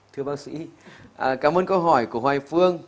thưa bác sĩ cảm ơn câu hỏi của hoài phương